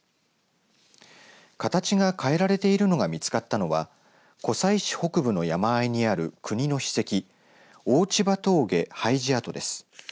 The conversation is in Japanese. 形が変えられているのが見つかったのは湖西市北部の山あいにある国の史跡大知波峠廃寺跡です。